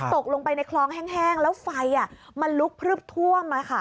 ตกลงไปในคลองแห้งแล้วไฟมันลุกพลึบท่วม